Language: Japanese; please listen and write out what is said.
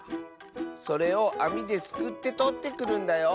それをあみですくってとってくるんだよ。